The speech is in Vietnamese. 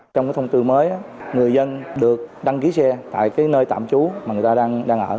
trong cái thông tư mới người dân được đăng ký xe tại cái nơi tạm trú mà người ta đang ở